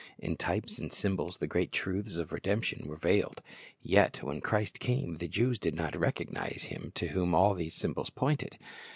In types and symbols the great truths of redemption were veiled. Yet when Christ came, the Jews did not recognize Him to whom all these symbols pointed.